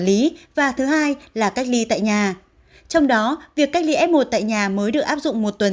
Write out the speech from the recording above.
lý và thứ hai là cách ly tại nhà trong đó việc cách ly f một tại nhà mới được áp dụng một tuần